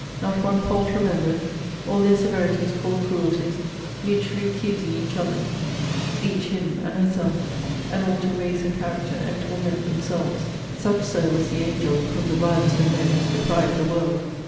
Not one fault remembered! All their severities called cruelties: mutually accusing each other; each him and herself; and all to raise her character, and torment themselves. Such, Sir, was the angel, of whom the vilest of men has deprived the world!